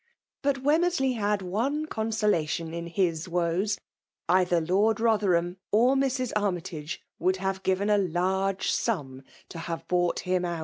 But Wemmersley had one consolation in his woes : cither Lord Botherham or Mrs. AnnyCago would have given a large sum to have bougkt end.